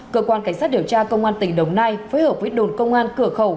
cơ quan cảnh sát điều tra công an tỉnh đồng nai phối hợp với đồn công an cửa khẩu